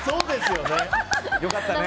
よかったね。